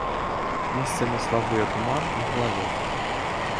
Месцамі слабыя туман і галалёд.